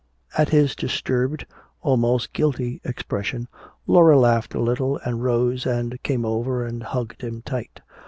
At his disturbed, almost guilty expression Laura laughed a little and rose and came over and hugged him tight.